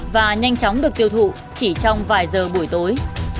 và nhanh chóng được tiêu thụ chỉ trong vài giờ buổi tối